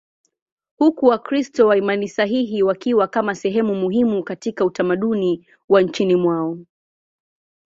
huku Wakristo wa imani sahihi wakiwa kama sehemu muhimu katika utamaduni wa nchini mwao.